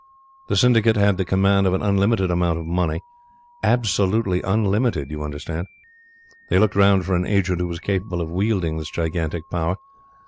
The syndicate had the command of an unlimited amount of money absolutely unlimited, you understand. They looked round for an agent who was capable of wielding this gigantic power.